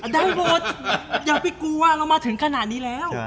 ได้เวิร์ดยังไม่กลัวเรามาถึงขนาดนี้แล้ว